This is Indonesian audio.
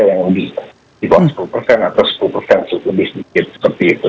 yang di bawah sepuluh persen atau sepuluh persen lebih sedikit seperti itu